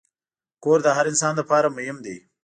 کور د هر انسان لپاره مهم دی.